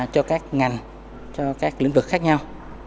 cho các ngành cho các lĩnh vực khác nhau